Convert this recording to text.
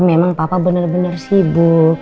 memang papa bener bener sibuk